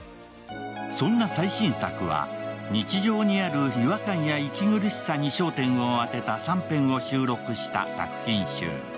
そんな最新作は、日常にある違和感や息苦しさに焦点を当てた３編を収録した作品集。